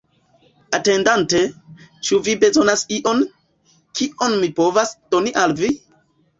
Atendante, ĉu vi bezonas ion, kion mi povas doni al vi?